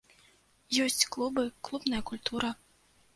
Ёсць клубы, клубная культура.